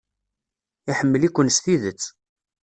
Iḥemmel-iken s tidet.